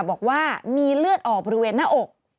บอกว่ามีเลือดออกบริเวณหน้าอก